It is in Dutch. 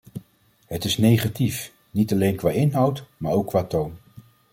Het is negatief, niet alleen qua inhoud maar ook qua toon.